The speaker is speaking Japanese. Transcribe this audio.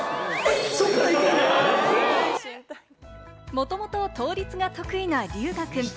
もともと倒立が得意な龍芽くん。